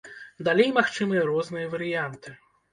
Далей магчымыя розныя варыянты.